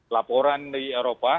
laporan di eropa